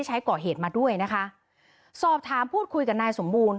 ใช้ก่อเหตุมาด้วยนะคะสอบถามพูดคุยกับนายสมบูรณ